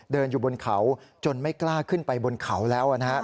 เดินอยู่บนเขาจนไม่กล้าขึ้นไปบนเขาแล้วนะครับ